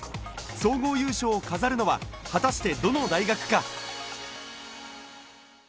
総合優勝を飾るのは果たしてどの大学か。